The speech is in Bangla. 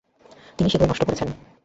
তিনি সেগুলো নষ্ট করেছেন।